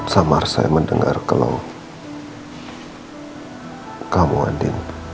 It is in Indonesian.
sama saya mendengar kalau kamu andi